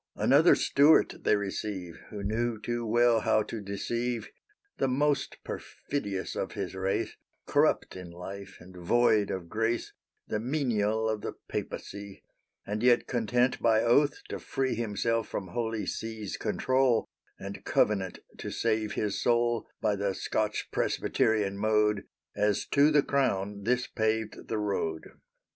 Another Stuart they receive, Who knew too well how to deceive; The most perfidious of his race, Corrupt in life, and void of grace, The menial of the Papacy; And yet content by oath to free Himself from Holy See's control, And covenant to save his soul By the Scotch Presbyterian mode, As to the crown this paved the road.